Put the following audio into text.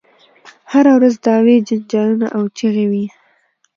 هره ورځ دعوې جنجالونه او چیغې وي.